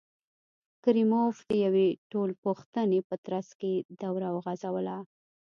کریموف د یوې ټولپوښتنې په ترڅ کې دوره وغځوله.